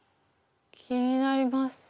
気になります。